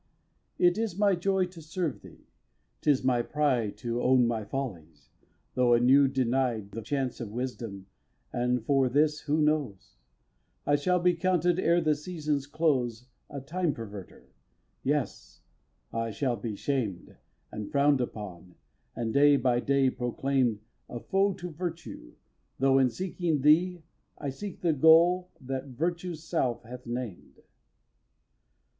ii. It is my joy to serve thee, 'tis my pride To own my follies, though anew denied The chance of wisdom, and for this, who knows? I shall be counted, ere the season's close, A time perverter. Yes! I shall be shamed, And frown'd upon, and day by day proclaim'd A foe to virtue, though, in seeking thee I seek the goal that Virtue's self hath named.